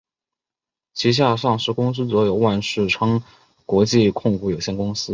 旗下上市公司则有万事昌国际控股有限公司。